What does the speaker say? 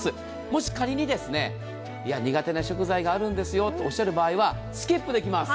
もし仮に苦手な食材があるんですよとおっしゃる場合はスキップできます。